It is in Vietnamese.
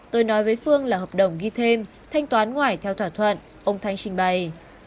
tôi nói với phương là hợp đồng ghi thêm thanh toán ngoại theo thỏa thuận ông thanh trình bày